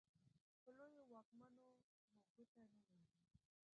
په لویو واکمنو مو ګوته نه ورځي.